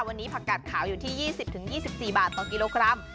วันนี้ผักกัดขาวอยู่ที่๒๐๒๔บาทต่อกิโลกรัม